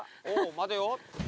待てよ。